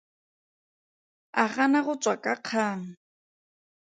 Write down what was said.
A gana go tswa ka kgang.